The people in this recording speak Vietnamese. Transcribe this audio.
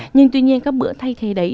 nhưng tuy nhiên các bữa thay thế đấy